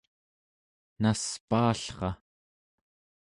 naspaallra